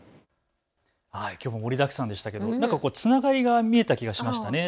きょうも盛りだくさんでしたがつながりが見えた気がしましたね。